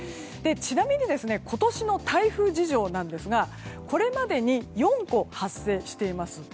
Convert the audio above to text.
ちなみに、今年の台風事情ですがこれまでに４個発生しています。